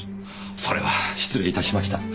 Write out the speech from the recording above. それは失礼いたしました。